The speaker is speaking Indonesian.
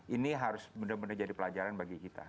ini harus benar benar jadi pelajaran bagi kita